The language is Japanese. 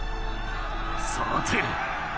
さて。